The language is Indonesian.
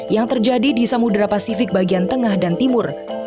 yang terjadi di samudera pasifik bagian tengah dan timur